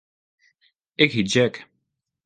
Ik hjit Jack.